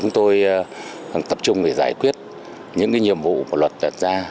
tập trung để giải quyết những nhiệm vụ luật đặt ra